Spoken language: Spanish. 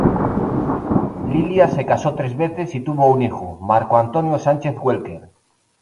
Lilia se casó tres veces y tuvo un hijo: Marco Antonio Sánchez Welker.